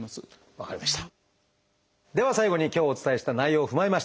分かりました。